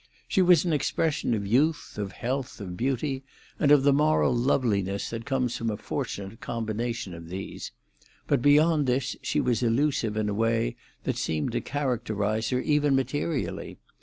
She was an expression of youth, of health, of beauty, and of the moral loveliness that comes from a fortunate combination of these; but beyond this she was elusive in a way that seemed to characterise her even materially.